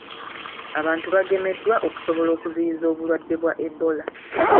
Abantu bagemeddwa okusobola okuziyiza obulwadde bwa Ebola.